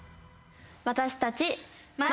私たち。